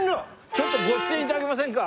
ちょっとご出演頂けませんか？